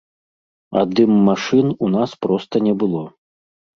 А дым-машын у нас проста не было.